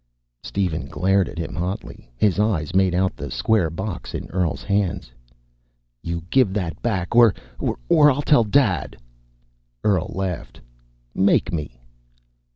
Steven glared at him hotly. His eyes made out the square box in Earl's hands. "You give that back! Or or I'll tell Dad." Earl laughed. "Make me."